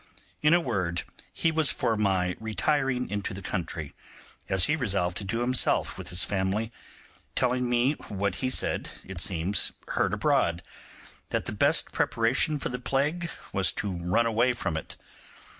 In a word, he was for my retiring into the country, as he resolved to do himself with his family; telling me what he had, it seems, heard abroad, that the best preparation for the plague was to run away from it.